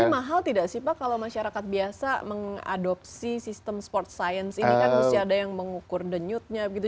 nggak bisa sih pak kalau masyarakat biasa mengadopsi sistem sport science ini kan harus ada yang mengukur denyutnya gitu